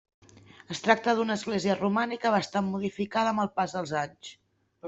Es tracta d'una església romànica bastant modificada amb el pas dels anys.